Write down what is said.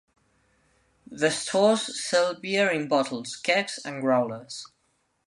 The stores sell beer in bottles, kegs and growlers.